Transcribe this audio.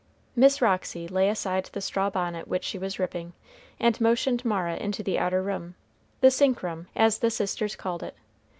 Miss Roxy laid aside the straw bonnet which she was ripping, and motioned Mara into the outer room, the sink room, as the sisters called it.